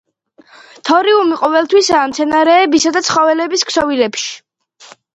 თორიუმი ყოველთვისაა მცენარეებისა და ცხოველების ქსოვილებში.